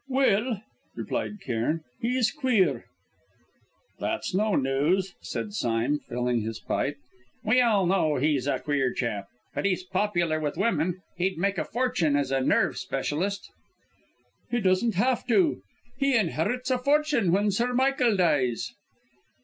"Well," replied Cairn, "he's queer." "That's no news," said Sime, filling his pipe; "we all know he's a queer chap. But he's popular with women. He'd make a fortune as a nerve specialist." "He doesn't have to; he inherits a fortune when Sir Michael dies."